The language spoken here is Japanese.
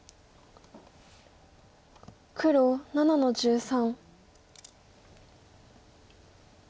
黒７の十三。